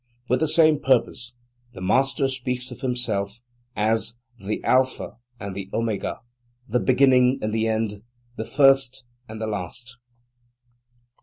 With the same purpose, the Master speaks of himself as "the alpha and the omega, the beginning and the end, the first and the last."